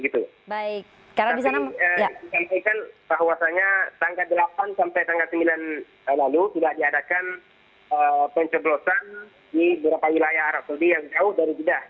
tapi disampaikan bahwasannya tanggal delapan sampai tanggal sembilan lalu tidak diadakan penceblosan di beberapa wilayah arab saudi yang jauh dari jeddah